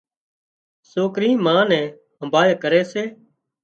سوڪري ما نِي همڀاۯ ڪري سي